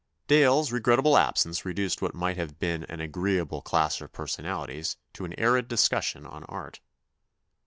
Dale's regrettable absence reduced what might have been an agreeable clash of personalities to an arid discussion on art.